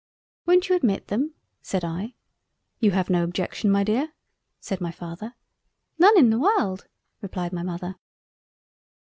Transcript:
"Won't you admit them?" (said I.) "You have no objection, my Dear?" (said my Father.) "None in the World." (replied my Mother.)